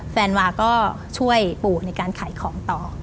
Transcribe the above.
แฟนวาก็ช่วยปู่ในการขายของต่อ